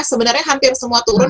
sebenarnya hampir semua turun